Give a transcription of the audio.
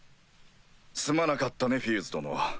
すまなかったねフューズ殿。